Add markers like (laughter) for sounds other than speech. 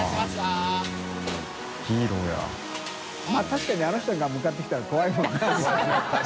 泙確かにあの人が向かってきたら怖いもんな (laughs)